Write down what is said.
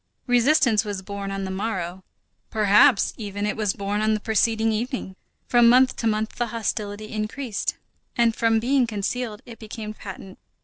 Resistance was born on the morrow; perhaps even, it was born on the preceding evening. From month to month the hostility increased, and from being concealed it became patent.